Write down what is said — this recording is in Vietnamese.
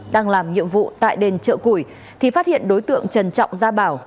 đang làm nhiệm vụ tại đền chợ củi thì phát hiện đối tượng trần trọng gia bảo